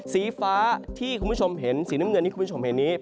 สีฟ้าที่คุณผู้ชมเห็นสีน้ำเงินที่คุณผู้ชมเห็นนี้